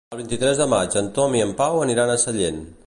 El vint-i-tres de maig en Tom i en Pau aniran a Sellent.